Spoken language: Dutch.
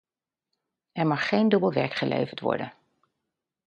Er mag geen dubbel werk geleverd worden.